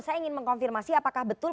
saya ingin mengkonfirmasi apakah betul